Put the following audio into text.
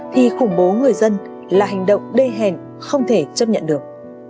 thì khủng bố người dân là hành động đê hèn không thể chấp nhận được